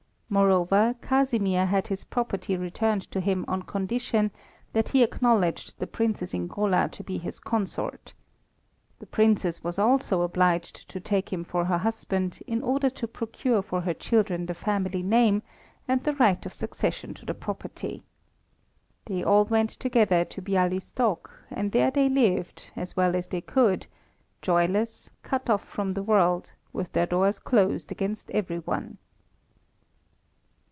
Moreover, Casimir had his property returned to him on condition that he acknowledged the Princess Ingola to be his consort. The Princess was also obliged to take him for her husband in order to procure for her children the family name, and the right of succession to the property. They all went together to Bialystok, and there they lived, as well as they could, joyless, cut off from the world, with their doors closed against every one.